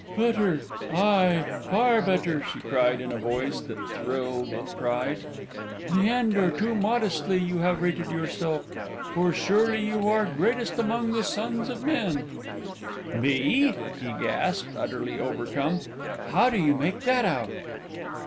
"Better! ay, far better!" she cried, in a voice that thrilled with pride. "Leander, too modestly you have rated yourself, for surely you are great amongst the sons of men." "Me!" he gasped, utterly overcome. "How do you make that out?"